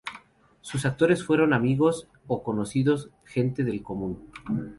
Sus actores fueron amigos o conocidos, gente del común.